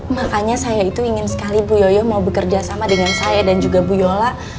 makanya saya itu ingin sekali bu yoyo mau bekerja sama dengan saya dan juga bu yola